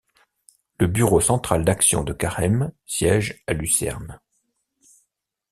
Le bureau central d’Action de Carême siège à Lucerne.